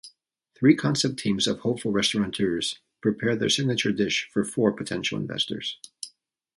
Three concept teams of hopeful restaurateurs prepare their signature dish for four potential investors.